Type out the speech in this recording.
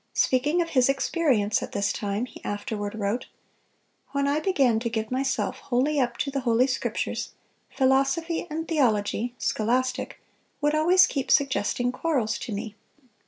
Speaking of his experience at this time, he afterward wrote: "When ... I began to give myself wholly up to the Holy Scriptures, philosophy and theology (scholastic) would always keep suggesting quarrels to me.